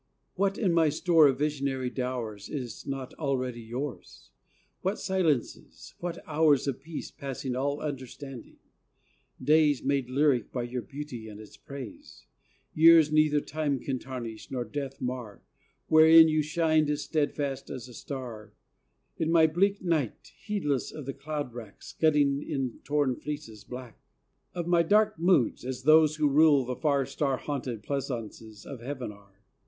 What in my store of visionary dowers Is not already yours? What silences, what hours Of peace passing all understanding; days Made lyric by your beauty and its praise; Years neither time can tarnish, nor death mar, Wherein you shined as steadfast as a star In my bleak night, heedless of the cloud wrack Scudding in torn fleeces black Of my dark moods, as those who rule the far Star haunted pleasaunces of heaven are?